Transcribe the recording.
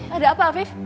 ada apa afif